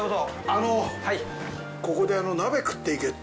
あのう、ここで鍋、食っていけって。